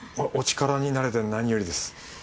お力になれてなによりです。